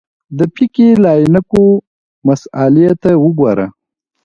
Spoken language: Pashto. د فقهې له عینکو مسألې ته وګورو.